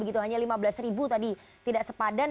lima belas tadi tidak sepadan